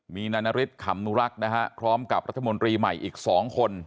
มีนายนฤทธิขำนุรักษ์นะฮะพร้อมกับรัฐมนตรีใหม่อีก๒คน